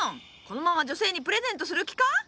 このまま女性にプレゼントする気か？